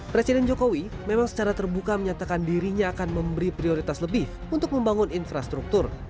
presiden jokowi memang secara terbuka menyatakan dirinya akan memberi prioritas lebih untuk membangun infrastruktur